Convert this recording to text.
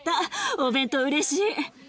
お弁当うれしい。